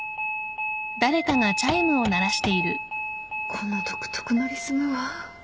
・・この独特のリズムは。